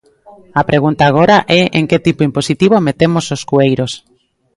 A pregunta agora é en que tipo impositivo metemos os cueiros.